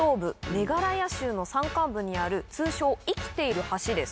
メガラヤ州の山間部にある通称生きている橋です。